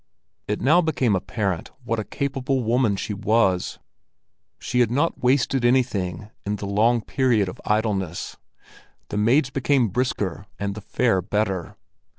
It now became apparent what a capable woman she was. She had not wasted anything in the long period of idleness; the maids became brisker and the fare better.